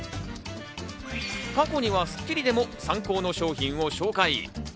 過去には『スッキリ』でもサンコーの商品を紹介。